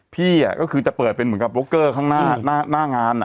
พี่อ่ะก็คือจะเปิดเป็นเหมือนกับโบ้คเกอร์ข้างหน้าหน้างานอ่ะ